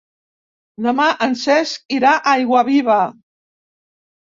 Demà en Cesc irà a Aiguaviva.